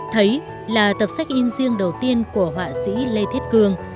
thấy là tập sách in riêng đầu tiên của họa sĩ lê thiết cương